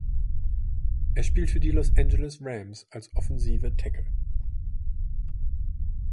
Er spielt für die Los Angeles Rams als Offensive Tackle.